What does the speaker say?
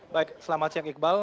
baik selamat siang iqbal